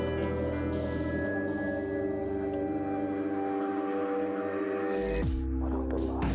assalamualaikum warahmatullahi wabarakatuh